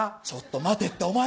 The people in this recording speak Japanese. ちょっと待てって。